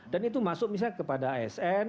dan itu masuk misalnya kepada asn